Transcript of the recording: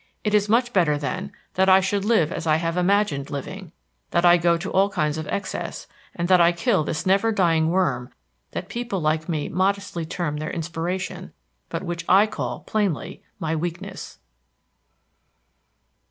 It is much better, then, that I should live as I have imagined living, that I go to all kinds of excess, and that I kill this never dying worm that people like me modestly term their inspiration, but which I call, plainly, my weakness."